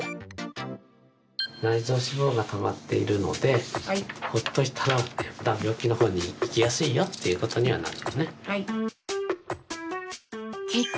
内臓脂肪がたまっているのでひょっとしたら病気の方にいきやすいよということにはなるよね。